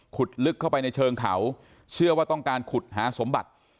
ลึกเข้าไปในเชิงเขาเชื่อว่าต้องการขุดหาสมบัติ